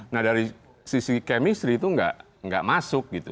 nah dari sisi kemistri itu nggak masuk gitu